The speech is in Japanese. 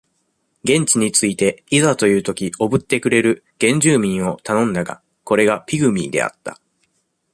現地に着いて、いざというときおぶってくれる、原住民を頼んだが、これがピグミーであった。